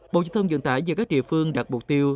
bộ dự thông dựng tải và các địa phương đặt mục tiêu